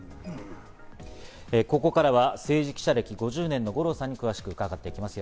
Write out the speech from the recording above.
ここからは政治記者歴５０年の五郎さんに詳しく伺っていきます。